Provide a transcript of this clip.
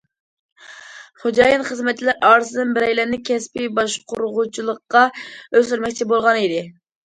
خوجايىن خىزمەتچىلەر ئارىسىدىن بىرەيلەننى كەسپىي باشقۇرغۇچىلىققا ئۆستۈرمەكچى بولغانىدى.